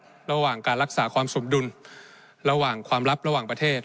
ระหว่างการรักษาความสมดุลระหว่างความลับระหว่างประเทศ